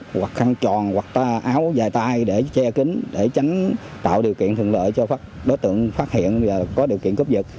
phải có áo cổ hoặc khăn tròn hoặc áo dài tay để che kính để tránh tạo điều kiện thường lợi cho đối tượng phát hiện có điều kiện cướp dịch